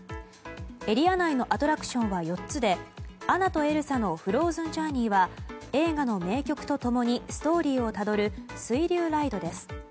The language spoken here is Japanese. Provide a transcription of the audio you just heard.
エリア内のアトラクションは４つでアナとエルサのフローズンジャーニーは映画の名曲と共にストーリーをたどる水流ライドです。